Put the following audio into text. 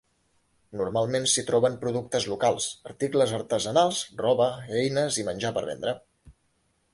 Normalment s'hi troben productes locals, articles artesanals, roba, eines i menjar per vendre.